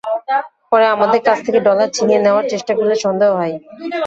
পরে আমাদের কাছ থেকে ডলার ছিনিয়ে নেওয়ার চেষ্টা করলে সন্দেহ হয়।